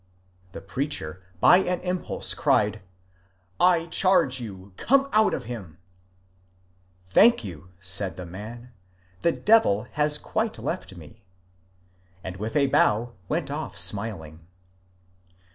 The preacher, by an impulse, cried, ^^ I charge you come out of him !"^^ Thank you," said the man, " the devil has quite left me,*' — and with a bow went off smiling.